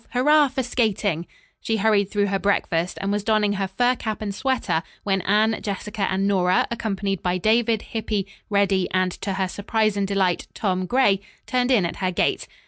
"Hurrah for skating!" She hurried through her breakfast and was donning her fur cap and sweater, when Anne, Jessica and Nora, accompanied by David, Hippy, Reddy and, to her surprise and delight, Tom Gray, turned in at her gate.